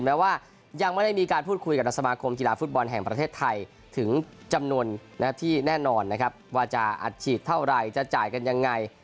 แม้ว่ายังไม่ได้มีการพูดคุยกับสมาคมกีฬาฟุตบอลแห่งประเทศไทยถึงจำนวนที่แน่นอนนะครับว่าจะอัดฉีดเท่าไรจะจ่ายกันยังไง